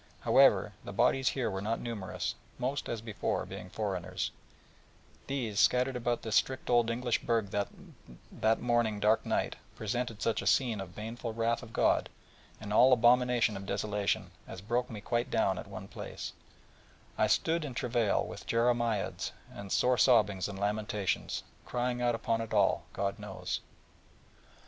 However, the bodies here were not numerous, most, as before, being foreigners: and these, scattered about this strict old English burg that mourning dark night, presented such a scene of the baneful wrath of God, and all abomination of desolation, as broke me quite down at one place, where I stood in travail with jeremiads and sore sobbings and lamentations, crying out upon it all, God knows.